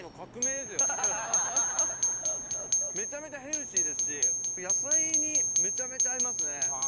めちゃめちゃヘルシーですし野菜にめちゃめちゃ合いますね。